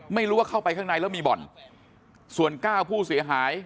ไม่รู้ว่าเข้าไปข้างในแล้วมีบ่อนส่วนเก้าผู้เสียหาย